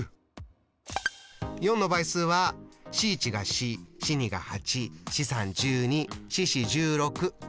４の倍数は４１が４４２が８４３１２４４１６。